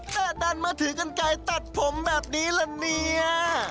แต่ดันมาถือกันไกลตัดผมแบบนี้ละเนี่ย